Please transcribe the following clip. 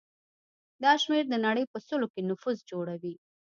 دا شمېر د نړۍ په سلو کې نفوس جوړوي.